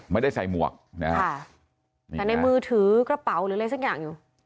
ไม่ได้ใส่หมวกนะฮะค่ะแต่ในมือถือกระเป๋าหรืออะไรสักอย่างอยู่